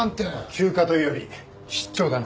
休暇というより出張だな。